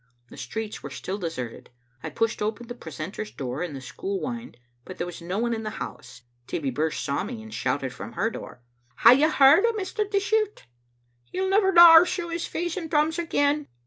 The streets were still deserted. I pushed open the pre centor's door in the school wynd, but there was no one in the house. Tibbie Birse saw me, and shouted from her door: " Hae you heard o* Mr. Dishart? He'll never daur show face in Thrums again."